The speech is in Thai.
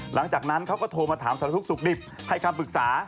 หลังจากนั้นเขาก็โทรมาถามสารทุกข์สุขดิบให้คำปรึกษา